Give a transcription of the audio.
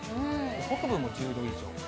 北部も１５度以上。